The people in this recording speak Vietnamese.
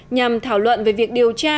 nhằm thảo luận về việc điều tra